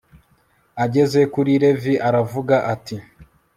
ageze kuri levi aravuga ati